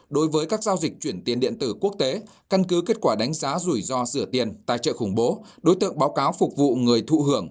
đối với các giao dịch chuyển tiền điện tử quốc tế căn cứ kết quả đánh giá rủi ro rửa tiền tài trợ khủng bố đối tượng báo cáo phục vụ người thụ hưởng